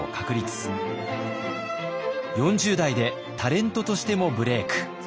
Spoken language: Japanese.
４０代でタレントとしてもブレーク。